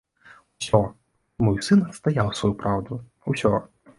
Усё, мой сын адстаяў сваю праўду, усё!